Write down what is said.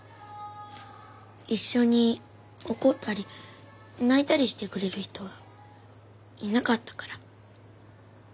一緒に怒ったり泣いたりしてくれる人いなかったから。